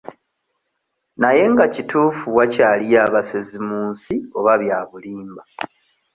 Naye nga kituufu wakyaliyo abasezi mu nsi oba bya bulimba?